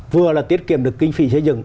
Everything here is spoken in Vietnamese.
vừa là tiết kiệm được kinh phí xây dựng